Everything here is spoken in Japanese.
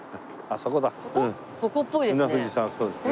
そうですね。